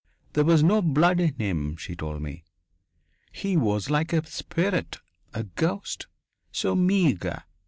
"There was no blood in him," she told me. "He was like a spirit a ghost. So meagre!